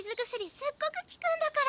すっごくきくんだから！